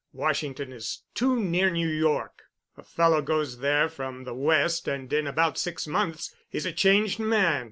Washington is too near New York. A fellow goes there from the West and in about six months he's a changed man.